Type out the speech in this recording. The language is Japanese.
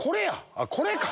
あっこれか。